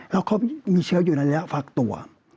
แล้วเขามีเชื้ออยู่ในระยะฟักตัว